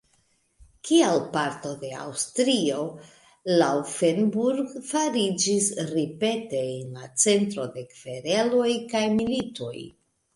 Kiel parto de Aŭstrio Laufenburg fariĝis ripete en la centro de kvereloj kaj militoj.